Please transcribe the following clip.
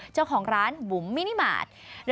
เจ้าของร้านบุ๋มมินิมาตร